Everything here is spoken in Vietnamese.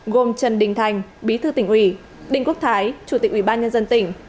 gồm trần đình thành bí thư tỉnh ủy đinh quốc thái chủ tịch ủy ban nhân dân tỉnh